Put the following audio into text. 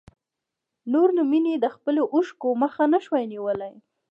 نور نو مينې د خپلو اوښکو مخه نه شوای نيولی.